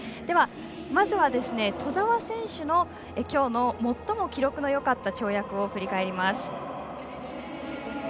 まずは、兎澤選手のきょうの最も記録のよかった跳躍を振り返ります。